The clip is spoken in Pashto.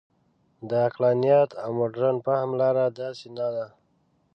د عقلانیت او مډرن فهم لاره داسې نه ده.